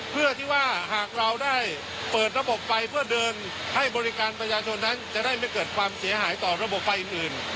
เพื่อที่ว่าหากเราได้เปิดระบบไฟเพื่อเดินให้บริการประชาชนนั้นจะได้ไม่เกิดความเสียหายต่อระบบไฟอื่น